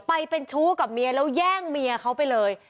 ไปเป็นชู้กับเมียแล้วแย่งเมียเขาไปเลย